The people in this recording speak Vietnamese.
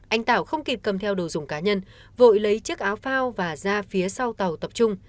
anh tảo không kịp cầm theo đồ dùng cá nhân vội lấy chiếc áo phao và ra phía sau tàu tập trung